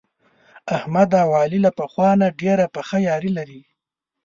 احمد او علي له پخوا نه ډېره پخه یاري لري.